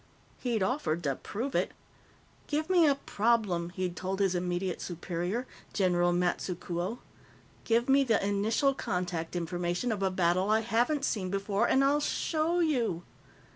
He'd offered to prove it. "Give me a problem," he'd told his immediate superior, General Matsukuo. "Give me the Initial Contact information of a battle I haven't seen before, and I'll show you."